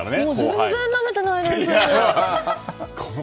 全然ナメてないです。